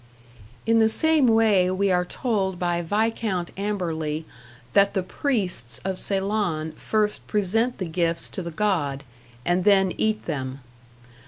In the same way we are told by Viscount Amberley that the priests of Ceylon first present the gifts to the god, and then eat them.